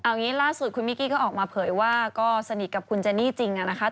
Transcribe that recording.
เอางี้ล่าสุดคุณมิกกี้ก็ออกมาเผยว่าก็สนิทกับคุณเจนี่จริงนะคะ